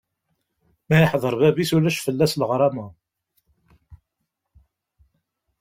Ma yeḥdeṛ bab-is, ulac fell-as leɣrama.